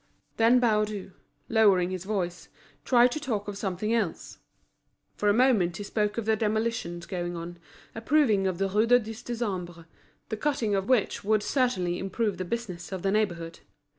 Then Baudu, lowering his voice, tried to talk of something else. For a moment he spoke of the demolitions going on, approving of the Rue du Dix Décembre, the cutting of which would certainly improve the business of the neighbourhood.